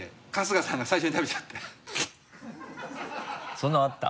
そんなのあった？